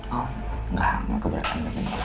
oh gak keberatan